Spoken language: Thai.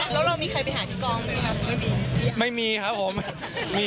แล้วเรามีใครไปหาที่กองไหมครับไม่มี